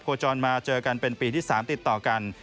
จรมาเจอกันเป็นปีที่๓ติดต่อกัน